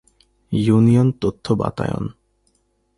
union তথ্য বাতায়ন